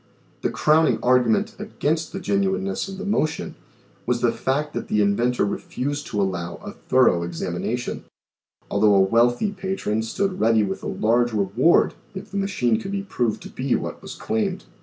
The crowning argument against the genuineness of the motion was the fact that the inventor refused to allow a thorough examination, although a wealthy patron stood ready with a large reward if the machine could be proved to be what was claimed.